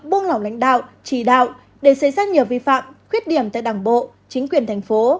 buông lỏng lãnh đạo trì đạo để xảy ra nhiều vi phạm khuyết điểm tại đảng bộ chính quyền thành phố